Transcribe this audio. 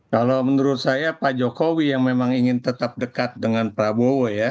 kalau menurut saya pak jokowi yang memang ingin tetap dekat dengan prabowo ya